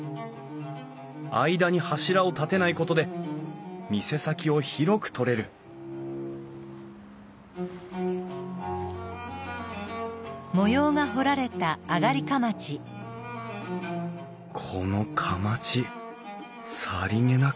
間に柱を立てないことで店先を広くとれるこの框さりげなくおしゃれ。